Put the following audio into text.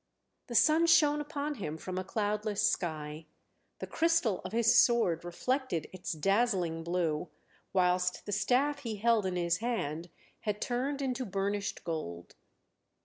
The sun shone upon him from a cloudless sky; the crystal of his sword reflected its dazzling blue, whilst the staff he held in his hand had turned into burnished gold.